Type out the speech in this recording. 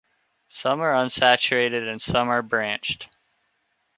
Some are unsaturated and some are branched.